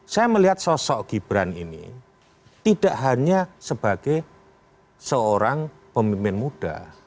saya melihat sosok gibran ini tidak hanya sebagai seorang pemimpin muda